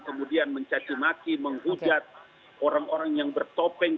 kemudian mencaci maki menghujat orang orang yang bertopeng